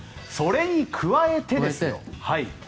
それに加えてですよ